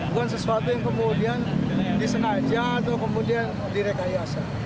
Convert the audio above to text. bukan sesuatu yang kemudian disengaja atau kemudian direkayasa